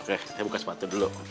oke saya buka sepatu dulu